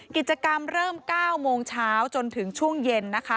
กิจกรรมเริ่ม๙โมงเช้าจนถึงช่วงเย็นนะคะ